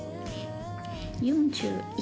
４１